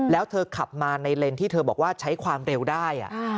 แล้วเธอขับมาในเลนที่เธอบอกว่าใช้ความเร็วได้